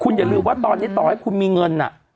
อย่าลืมว่าตอนนี้ต่อให้คุณมีเงิน